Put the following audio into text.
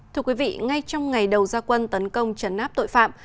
thưa quý vị ngay trong ngày đầu gia quân tấn công trấn áp tội phạm